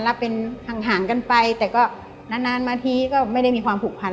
รับเป็นห่างกันไปแต่ก็นานมาทีก็ไม่ได้มีความผูกพัน